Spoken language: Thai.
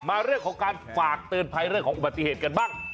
เรื่องของการฝากเตือนภัยเรื่องของอุบัติเหตุกันบ้าง